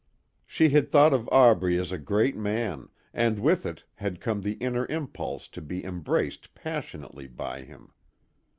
She had thought of Aubrey as a great man and with it had come the inner impulse to be embraced passionately by him.